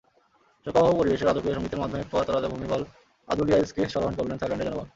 শোকাবহ পরিবেশে রাজকীয় সংগীতের মাধ্যমে প্রয়াত রাজা ভুমিবল আদুলিয়াদেজকে স্মরণ করলেন থাইল্যান্ডের জনগণ।